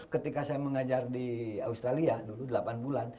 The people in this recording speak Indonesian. ketika saya mengajar di australia dulu delapan bulan